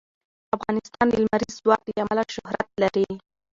افغانستان د لمریز ځواک له امله شهرت لري.